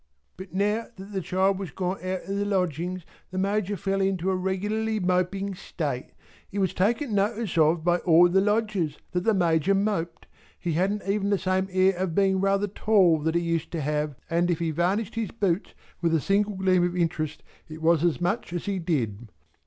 But now that the child was gone out of the Lodgings the Major fell into a regularly moping state. It was taken notice of by all the Lodgers that the Major moped. He hadn't even the same air of being rather tall than he used to have, and if he varnished his boots with a single gleam of interest it was as much as he did.